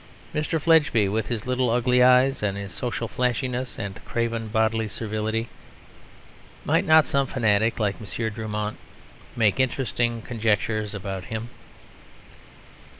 Mr. Fledgeby, with his little ugly eyes and social flashiness and craven bodily servility might not some fanatic like M. Drumont make interesting conjectures about him?